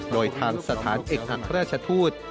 โดยทางสถานเอกอัครราชทูต